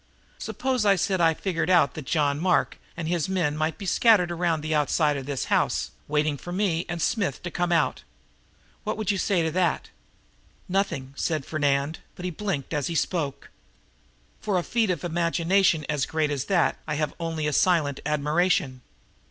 Suppose I said I figured out that John Mark and his men might be scattered around outside this house, waiting for me and Smith to come out: What would you say to that?" "Nothing," said Fernand, but he blinked as he spoke. "For a feat of imagination as great as that I have only a silent admiration.